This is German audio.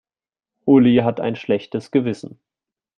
Uli hat ein schlechtes Gewissen.